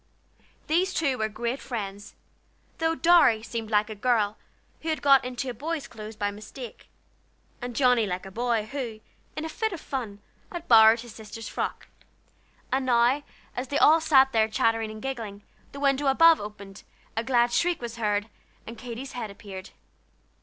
These two were great friends, though Dorry seemed like a girl who had got into boy's clothes by mistake, and Johnnie like a boy who, in a fit of fun, had borrowed his sister's frock. And now, as they all sat there chattering and giggling, the window above opened, a glad shriek was heard, and Katy's head appeared.